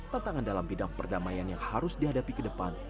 tantangan dalam bidang perdamaian yang harus dihadapi ke depan